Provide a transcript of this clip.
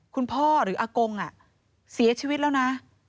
คุณพ่อหรืออากงเสียชีวิตแล้วนะ